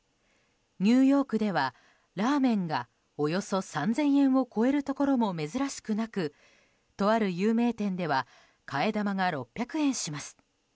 ニューヨークではラーメンがおよそ３０００円を超えるところも珍しくなくとある有名店では替え玉が６００円します。